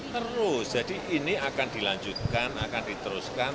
terus jadi ini akan dilanjutkan akan diteruskan